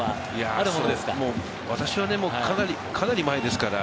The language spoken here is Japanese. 私は、かなり前ですから。